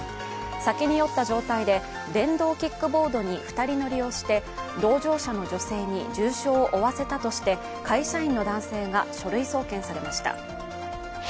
酒に酔った状態で電動キックボードに２人乗りをして同乗者の女性に重傷を負わせたとして会社員の男性が書類送検されました。